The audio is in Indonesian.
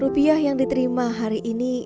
rupiah yang diterima hari ini